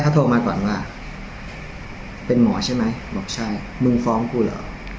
พูดอย่างนี้แหละ